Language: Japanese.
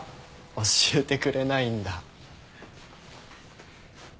教えてくれないんだ。